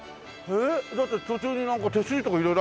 えっ？だって途中になんか手すりとか色々ある。